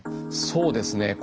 そうですね